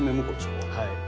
はい。